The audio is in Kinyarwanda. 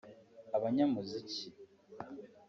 abanyamuziki…